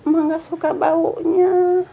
ma gak suka baunya